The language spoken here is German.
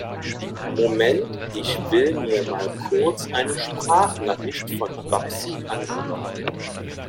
Moment, ich will mir mal kurz eine Sprachnachricht von Babsi anhören.